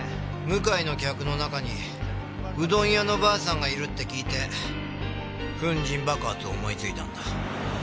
向井の客の中にうどん屋のばあさんがいるって聞いて粉塵爆発を思いついたんだ。